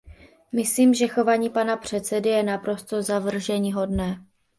Myslím, že chování pana předsedy je naprosto zavrženíhodné.